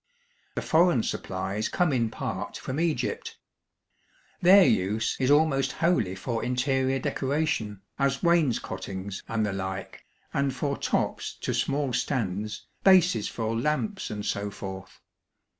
The foreign supplies come in part from Egypt. Their use is almost wholly for interior decoration, as wainscotings, and the like, and for tops to small stands, bases for lamps, and so forth.